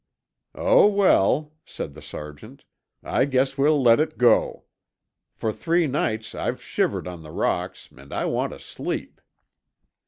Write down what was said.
"Oh, well," said the sergeant, "I guess we'll let it go. For three nights I've shivered on the rocks and I want to sleep."